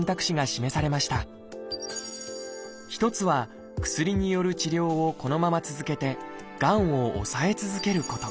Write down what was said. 一つは薬による治療をこのまま続けてがんを抑え続けること。